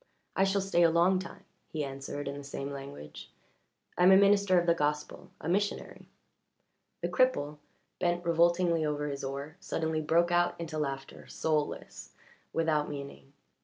"I shall stay a long time," he answered in the same language. "I am a minister of the gospel a missionary." The cripple, bent revoltingly over his oar, suddenly broke out into laughter, soulless, without meaning.